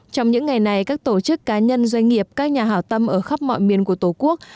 trong những ngày này các tổ chức cá nhân doanh nghiệp các nhà hảo tâm ở khắp mọi miền của tổ quốc